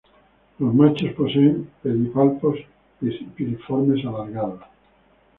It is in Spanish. Los machos poseen pedipalpos piriformes alargados.